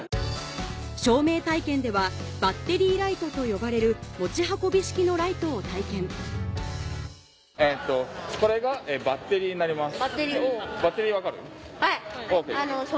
照明体験ではバッテリーライトと呼ばれる持ち運び式のライトを体験・バッテリー・・はい！